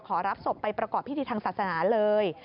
รับศพไปประกอบพิธีทางศาสนาเลย